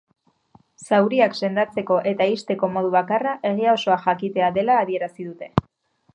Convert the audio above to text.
Zauriak sendatzeko eta ixteko modu bakarra egia osoa jakitea dela adierazi dute.